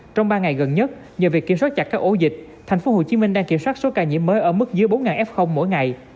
trong ba ngày gần nhất nhờ việc kiểm soát chặt các ổ dịch thành phố hồ chí minh đang kiểm soát số ca nhiễm mới ở mức dưới bốn f mỗi ngày